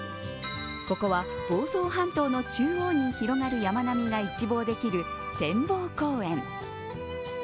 ここは、房総半島の中央に広がる山並みが一望できる展望公園。